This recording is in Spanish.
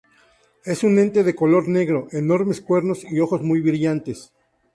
Es un ente de color negro, enormes cuernos y ojos muy brillantes.